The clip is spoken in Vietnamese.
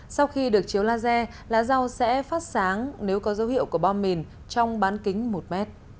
sau khi được chiếu laser lá rau sẽ phát sáng nếu có dấu hiệu của bom mìn trong bán kính một m